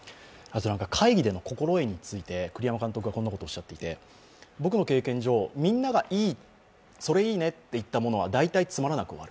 会議での心得について栗山監督がこんなことをおっしゃっていて僕の経験上、みんながそれいいねと言ったものは大体つまらなく終わる。